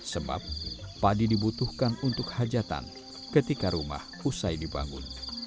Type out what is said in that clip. sebab padi dibutuhkan untuk hajatan ketika rumah usai dibangun